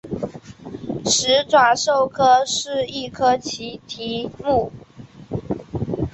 始爪兽科是一科奇蹄目。